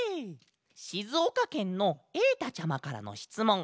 しずおかけんのえいたちゃまからのしつもん。